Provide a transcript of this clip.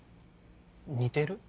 似てる？